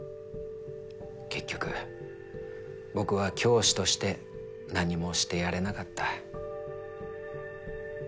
結局僕は教師として何もしてやれなかった。